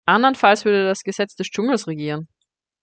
Andernfalls würde das Gesetz des Dschungels regieren.